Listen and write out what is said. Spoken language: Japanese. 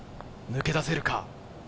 抜け出せるか。